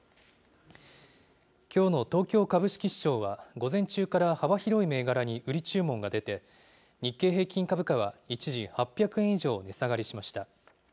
きょうの東京株式市場は、午前中から幅広い銘柄に売り注文が出て、日経平均株価は一時８００円以上値下がりしました。